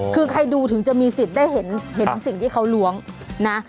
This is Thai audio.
คือใครดูถึงจะมีสิทธิ์ได้เห็นสิ่งที่เขาล้วงนะ